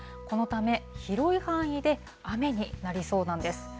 このため、広い範囲で雨になりそうなんです。